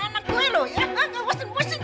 sakit ma aku buang buang